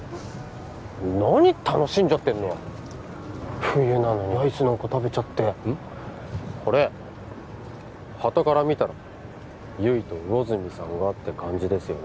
何楽しんじゃってんの冬なのにアイスなんか食べちゃってこれ端から見たら悠依と魚住さんがって感じですよね